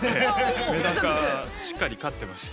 メダカしっかり飼ってまして。